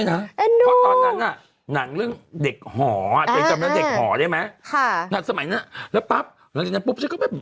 อ่าแล้วใครจะเลี้ยงตัวยี่มาระตัก